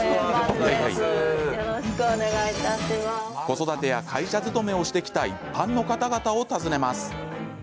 子育てや会社勤めをしてきた一般の方々を訪ねます。